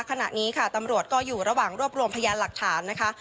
ขณะนี้ค่ะตำรวจก็อยู่ระหว่างรวบรวมพยานหลักฐานนะคะ